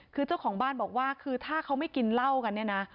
คือเจ้าของบ้านบอกว่าคือถ้าเขาไม่กินเหล้ากันเนี่ยนะ